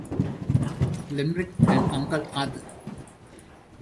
Limerick" and "Uncle Arthur".